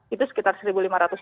itu sekitar satu lima ratus